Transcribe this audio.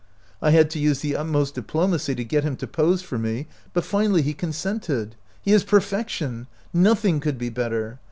I had to use the utmost diplo macy to get him to pose for me, but finally he consented. He is perfection ; nothing could be better.